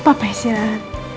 gapapa ya silahkan